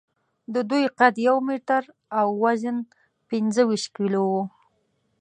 د دوی قد یو متر او وزن پینځهویشت کیلو و.